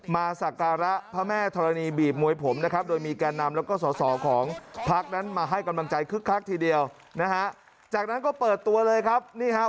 มาสาการะพระแม่ธรณีบีบมวยผมนะครับ